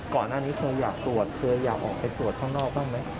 ก่อนหน้านี้เคยอยากตรวจเคยอยากออกไปตรวจข้างนอกบ้างไหม